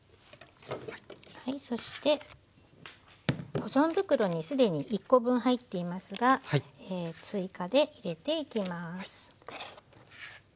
そして保存袋に既に１コ分入っていますが追加で入れていきます。